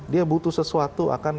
dia butuh sesuatu akan